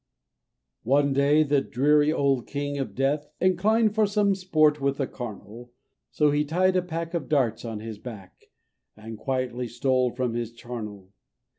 "] One day the dreary old King of Death Inclined for some sport with the carnal, So he tied a pack of darts on his back, And quietly stole from his charnel.